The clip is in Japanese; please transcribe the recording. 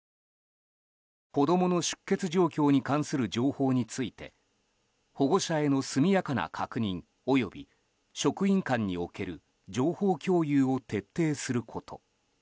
子供の出欠状況に関する情報について保護者への速やかな確認および職員間における情報共有を徹底すること。